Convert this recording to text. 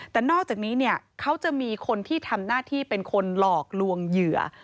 แต่นอกจากนี้เนี่ยเขาจะมีคนที่ทำหน้าที่เป็นคนหลอกลวงเหยื่อ